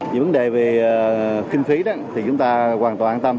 những vấn đề về kinh phí đó thì chúng ta hoàn toàn an tâm